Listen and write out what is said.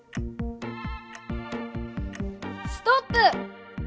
ストップ！